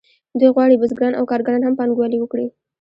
دوی غواړي بزګران او کارګران هم پانګوالي وکړي